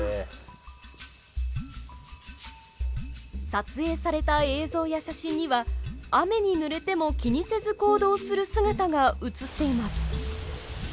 撮影された映像や写真には雨にぬれても気にせず行動する姿が映っています。